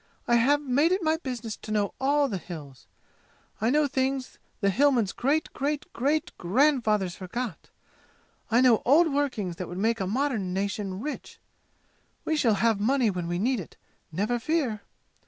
"I have made it my business to know all the 'Hills.' I know things the Hillmen's great great great grand fathers forgot! I know old workings that would make a modern nation rich! We shall have money when we need it, never fear!